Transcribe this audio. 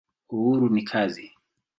Uhuru ni kazi.